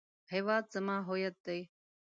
هیواد زما هویت دی